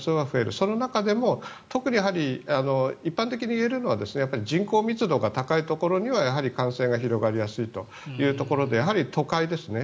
その中でも一般的に言えるのは人口密度が高いところには感染が広がりやすいというところでやはり都会ですね。